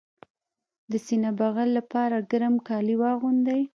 د سینه بغل لپاره ګرم کالي واغوندئ